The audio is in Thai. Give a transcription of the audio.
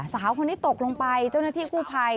สาวคนนี้ตกลงไปเจ้าหน้าที่กู้ภัย